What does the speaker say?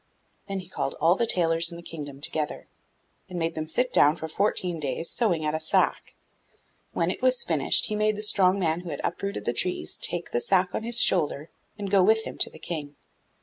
Then he called all the tailors in the kingdom together, and made them sit down for fourteen days sewing at a sack. When it was finished, he made the strong man who had uprooted the trees take the sack on his shoulder and go with him to the King.